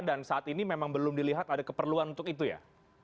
dan saat ini memang belum dilihat ada keperluan untuk itu ya